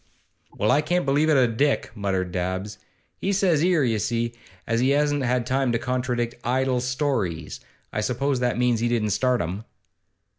'Well, I can't believe it o' Dick,' muttered Dabbs. 'He says 'ere, you see, as he hasn't time to contradict "idle stories." I suppose that means he didn't start 'em.